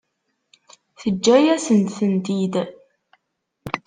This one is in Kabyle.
Teǧǧa-yasent-tent-id.